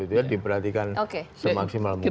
itu diperhatikan semaksimal mungkin